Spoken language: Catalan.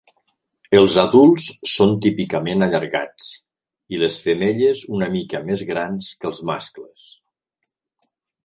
Els adults són típicament allargats, i les femelles una mica més grans que els mascles.